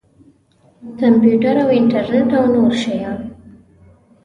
کمپیوټر او انټرنټ او نور شیان.